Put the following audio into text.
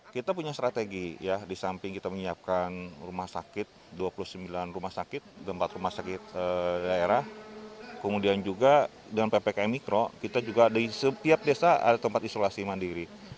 kita punya strategi ya di samping kita menyiapkan rumah sakit dua puluh sembilan rumah sakit empat rumah sakit daerah kemudian juga dengan ppkm mikro kita juga di setiap desa ada tempat isolasi mandiri